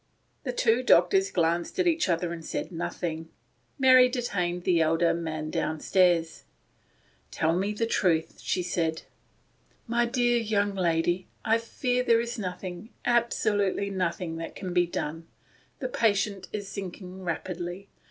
The two doctors glanced at each other and said nothing. Mary detained the elder man downstairs. " Tell me the truth," she said. "My dear young lady, I fear there is nothing — absolutely nothing — that can be done. The patient is sinking rapidly.